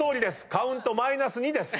カウントマイナス２です。